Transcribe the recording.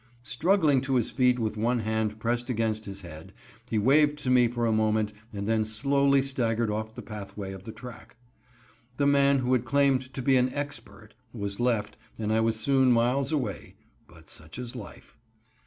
Struggling to his feet with one hand pressed against his head, he waved to me for a moment and then slowly staggered off the pathway of the track. The man who had claimed to be an "expert" was left, and I was soon miles away, but such is life.